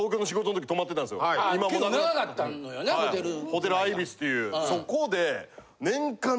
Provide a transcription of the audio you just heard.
ホテルアイビスっていうそこで。